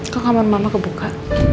kok kamar mama kebuka